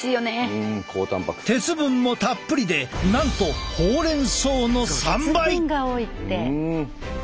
鉄分もたっぷりでなんとほうれん草の３倍！